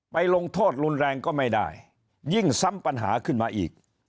ลงโทษรุนแรงก็ไม่ได้ยิ่งซ้ำปัญหาขึ้นมาอีก